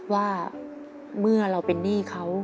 ว่าเมื่อเราเป็นหนี้เขา